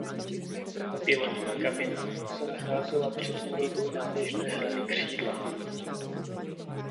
Pilotní kabina se nacházela před úrovní náběžné hrany křídla.